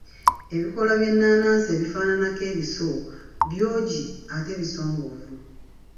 Ebikoola by’ennaanansi bifaananako ebiso, byogi ate bisongovu.